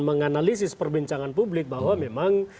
menganalisis perbincangan publik bahwa memang